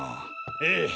ええ。